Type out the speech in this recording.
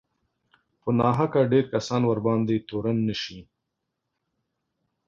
په ناحقه ډېر کسان ورباندې تورن نه شي